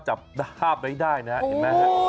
จับห้าบได้นะฮะเห็นไหมฮะ